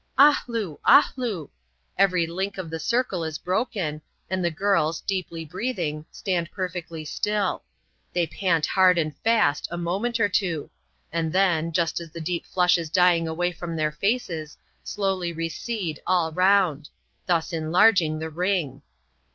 " Ahloo ! ahloo !" Every link of the circle is broken ; and the girls, deeply breathing, stand perfectly stilL They pant hard and fast, a moment or two ; and then, just as the deep flush is dying away from their faces, slowly recede, all round ; thus enlarging the ring.